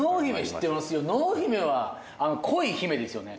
濃姫は「濃」「姫」ですよね。